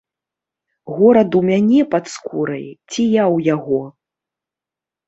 Горад у мяне пад скурай, ці я ў яго?